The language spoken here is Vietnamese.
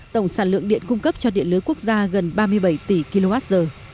tổng sản lượng điện cung cấp cho điện lưới quốc gia gần ba mươi bảy tỷ kwh